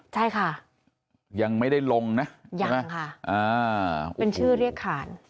ใช่ค่ะยังไม่ได้ลงนะยังค่ะอ่าเป็นชื่อเรียกขาน